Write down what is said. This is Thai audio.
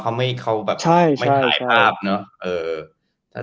เขาไม่ถ่ายภาพเนอะถ้าจำได้